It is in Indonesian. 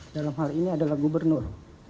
dalam hal ini adalah gubernur